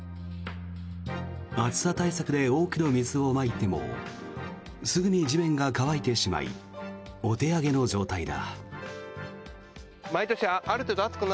暑さ対策で多くの水をまいてもすぐに地面が乾いてしまいお手上げの状態だ。